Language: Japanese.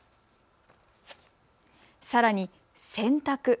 さらに、洗濯。